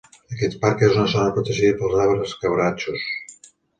Aquest parc és una zona protegida per als arbres "quebrachos".